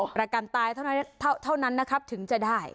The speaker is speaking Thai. ประกันตายเท่านั้นนะครับถึงจะได้